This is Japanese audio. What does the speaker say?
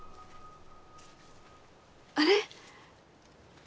あれ？